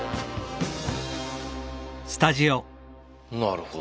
なるほど。